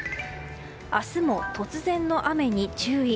明日も突然の雨に注意。